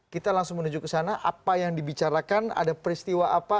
kita langsung menuju ke sana apa yang dibicarakan ada peristiwa apa